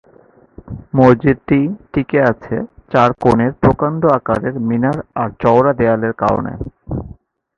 মসজিদটি টিকে আছে চার কোণের প্রকাণ্ড আকারের মিনার আর চওড়া দেয়ালের কারণে।